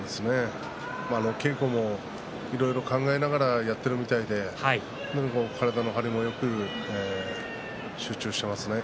稽古もいろいろ考えながらやっているみたいで体の張りもよく、集中してますね。